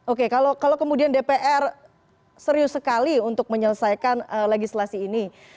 oke kalau kemudian dpr serius sekali untuk menyelesaikan legislasi ini